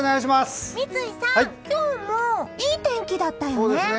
三井さん、今日もいい天気だったよね！